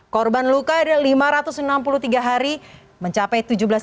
korban luka ada lima ratus enam puluh tiga hari mencapai tujuh belas tiga puluh